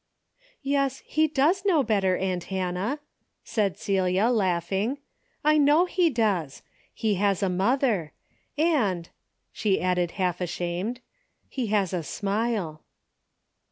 "Yes, he does know better, aunt Hannah," said Celia, laughing. " I know he does. He has a mother — and," she added half ashamed, " he has a smile."